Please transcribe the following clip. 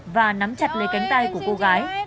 và nắm chặt lấy cánh tay của cô gái